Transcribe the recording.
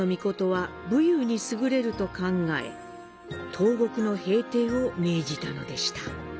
東国の平定を命じたのでした。